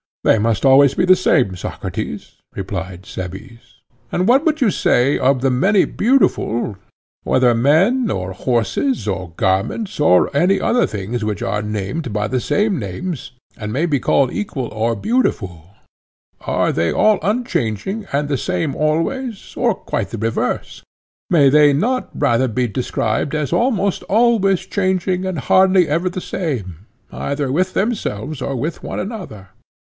They must be always the same, Socrates, replied Cebes. And what would you say of the many beautiful—whether men or horses or garments or any other things which are named by the same names and may be called equal or beautiful,—are they all unchanging and the same always, or quite the reverse? May they not rather be described as almost always changing and hardly ever the same, either with themselves or with one another?